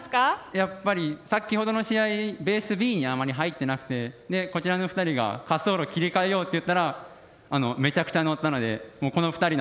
やっぱり先ほどの試合ベースＢにあまり入ってなくてこちらの２人が滑走路切り替えようと言ったらめちゃくちゃ乗ったのでこの２人の判断だと思いますね。